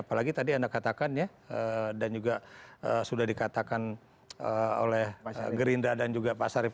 apalagi tadi anda katakan ya dan juga sudah dikatakan oleh gerindra dan juga pak sarif